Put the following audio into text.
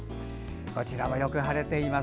こちらはよく晴れています。